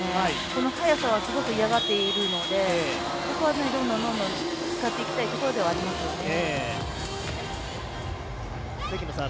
この速さはすごく嫌がっているのでここはどんどん使っていきたいところではありますよね。